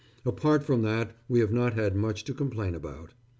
Apart from that we have not had much to complain about.